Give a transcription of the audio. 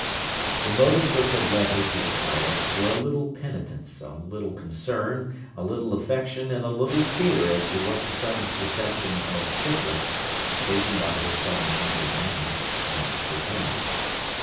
The motives which had led her to the tower were a little penitence, a little concern, a little affection, and a little fear as to what the sudden secession of Scythrop, occasioned by her sudden change of manner, might portend.